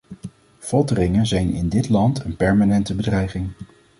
Folteringen zijn in dit land een permanente bedreiging.